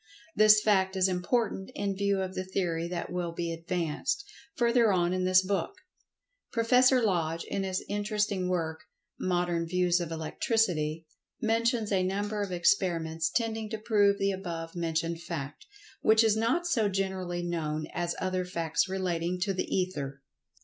This fact is important in view of the theory that will be advanced, further on in this book. Prof. Lodge, in his interesting work, "Modern Views of Electricity," mentions a number of experiments tending to prove the above mentioned[Pg 107] fact, which is not so generally known as other facts relating to the Ether.